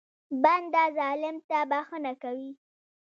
بنده ظالم ته بښنه کوي.